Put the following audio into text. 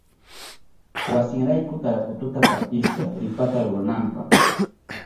Wasinrayku tarapututa partishka ripata rurananpa.